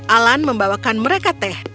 alan membawakan mereka teh